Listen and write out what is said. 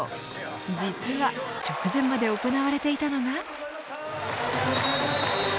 実は直前まで行われていたのが。